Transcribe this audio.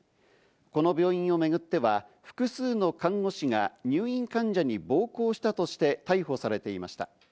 この病院をめぐっては複数の看護師が入院患者に暴行したとして逮捕されていました。